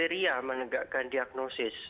itu kriteria menegakkan diagnosi